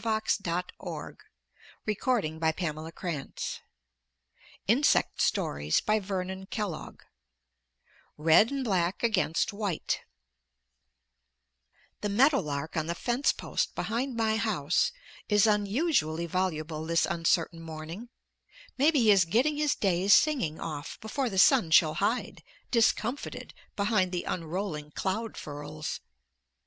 "I hope I can," said Mary. [Illustration: RED AND BLACK AGAINST WHITE] RED AND BLACK AGAINST WHITE The meadow lark on the fence post behind my house is unusually voluble this uncertain morning; maybe he is getting his day's singing off before the sun shall hide, discomfited, behind the unrolling cloud furls.